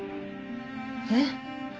えっ？